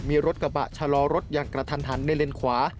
มีรถกระบะชะลอรถอย่างกระทันหันในเลนขวา